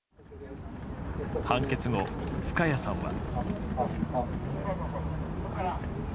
判決後、深谷さんは。